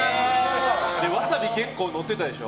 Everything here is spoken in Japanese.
ワサビ、結構のってたでしょ。